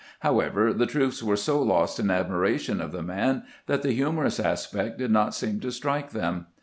However, the troops were so lost in admi ration of the man that the humorous aspect did not seem to strike them.